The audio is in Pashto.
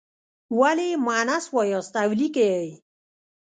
ولې یې مونث وایاست او لیکئ یې.